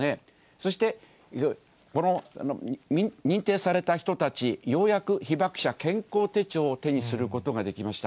そして、この認定された人たち、ようやく被爆者健康手帳を手にすることができました。